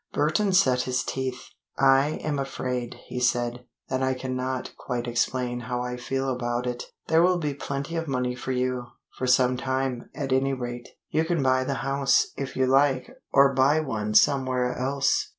Burton set his teeth. "I am afraid," he said, "that I cannot quite explain how I feel about it. There will be plenty of money for you for some time, at any rate. You can buy the house, if you like, or buy one somewhere else."